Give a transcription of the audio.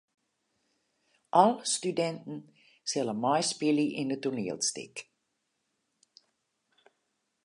Alle studinten sille meispylje yn it toanielstik.